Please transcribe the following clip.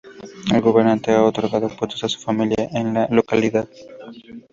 El gobernante ha otorgado puestos a su familia en la localidad.